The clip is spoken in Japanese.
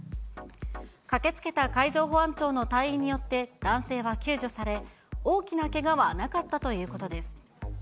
駆けつけた海上保安庁の隊員によって男性は救助され、大きなけがはなかったということです。